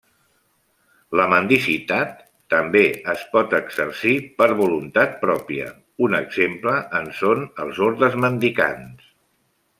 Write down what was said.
La mendicitat també pot exercir per voluntat pròpia: un exemple en són els ordes mendicants.